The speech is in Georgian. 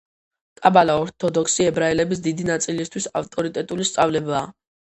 კაბალა ორთოდოქსი ებრაელების დიდი ნაწილისთვის ავტორიტეტული სწავლებაა.